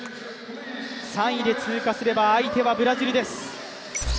３位で通過すれば相手はブラジルです。